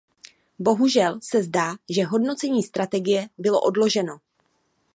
Bohužel se zdá, že hodnocení strategie bylo odloženo.